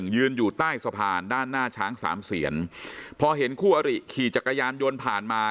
ยืนอยู่ใต้สะพานด้านหน้าช้างสามเสียนพอเห็นคู่อริขี่จักรยานยนต์ผ่านมา